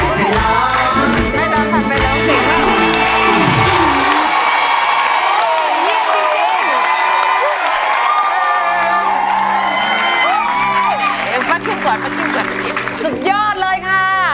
สุดยอดเลยค่ะ